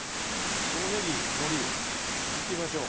ねぎ、のり、いってみましょう。